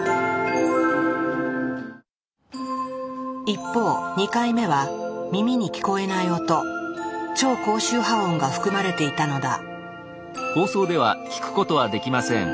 一方２回目は耳に聞こえない音「超高周波音」が含まれていたのだ。